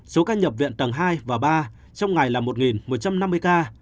số ca nhập viện tầng hai và ba trong ngày là một một trăm năm mươi ca